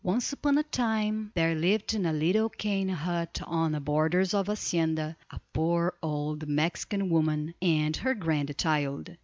Once upon a time there lived in a little cane hut on the borders of a hacienda, a poor old Mexican woman and her grandchild.